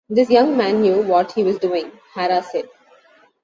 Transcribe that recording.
"This young man knew what he was doing," Hara said.